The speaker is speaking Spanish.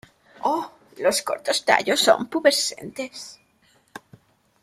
Los cortos tallos son pubescentes.